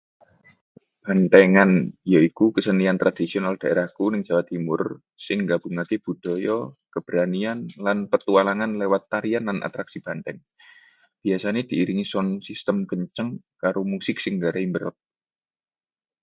Bantengan yaiku kesenian tradisional daerahku ing Jawa Timur sing nggabungake budaya, keberanian, lan petualangan liwat tarian lan atraksi banteng. Biasane diiringi sound system kenceng karo musik sing nggarai mberot.